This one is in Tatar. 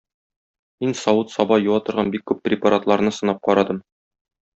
Мин савыт-саба юа торган бик күп препаратларны сынап карадым!